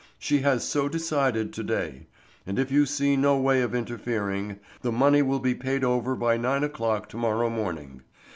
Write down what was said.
She has so decided to day, and if you see no way of interfering, the money will be paid over by nine o'clock to morrow morning.